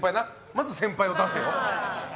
まず先輩を出せよ！